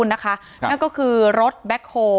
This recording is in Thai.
ที่มีข่าวเรื่องน้องหายตัว